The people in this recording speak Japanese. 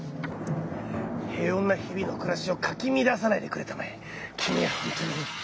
平穏な日々の暮らしをかき乱さないでくれたまえ。